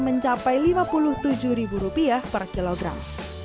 mencapai lima puluh tujuh ribu rupiah per kilogram